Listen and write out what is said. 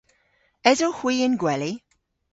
Esowgh hwi y'n gweli?